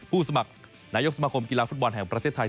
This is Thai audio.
สมัครนายกสมาคมกีฬาฟุตบอลแห่งประเทศไทย